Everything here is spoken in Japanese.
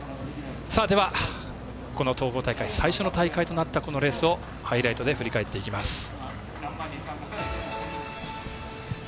では、この統合大会最初の大会となったこのレースをハイライトで振り返っていきます。